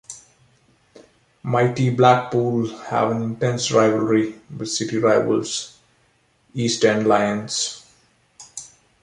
Mighty Blackpool have an intense rivalry with city rivals East End Lions.